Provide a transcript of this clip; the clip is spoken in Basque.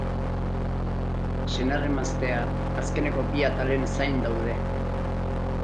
Senar-emaztea azkeneko bi atalen zain daude.